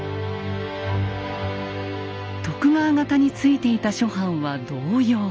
徳川方についていた諸藩は動揺。